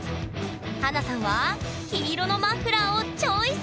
華さんは黄色のマフラーをチョイス！